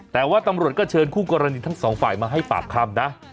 แต่ว่าตำรวจก็เชิญคู่กรณีทั้งสองฝ่ายมาให้ปากคำนะ